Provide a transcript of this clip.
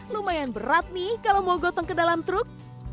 lumayan berat nih kalau mau gotong ke dalam truk